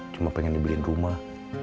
cuma pengen dibeliin rumah